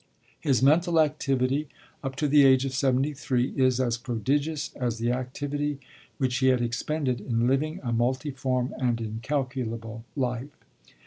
His mental activity, up to the age of seventy three, is as prodigious as the activity which he had expended in living a multiform and incalculable life.